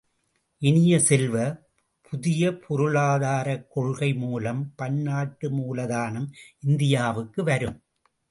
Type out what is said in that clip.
இனிய செல்வ, புதிய பொருளாதாரக் கொள்கை மூலம் பன்னாட்டு மூலதனம் இந்தியாவுக்கு வரும்.